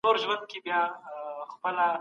هغه اقلیمي علتونه و نه منل.